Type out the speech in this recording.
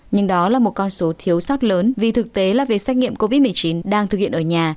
nhưng đó là một con số thiếu sót lớn vì thực tế là về xét nghiệm covid một mươi chín đang thực hiện ở nhà